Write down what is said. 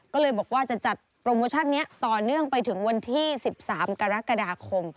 ก็เลยบอกว่าจะจัดโปรโมชั่นนี้ต่อเนื่องไปถึงวันที่๑๓กรกฎาคม